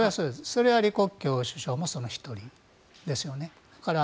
それは李克強首相もその１人ですよね。